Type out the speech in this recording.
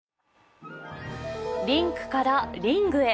リンクからリングへ。